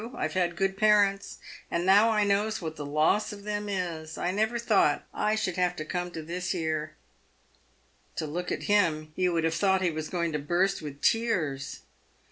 I've had good parents, and now I knows what the loss of them is. I never thought I should have come to this here." To look at him, you would have thought he was going to burst with tears.